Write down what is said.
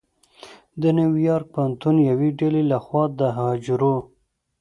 د نیویارک پوهنتون یوې ډلې لخوا د حجرو